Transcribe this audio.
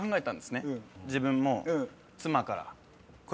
自分も。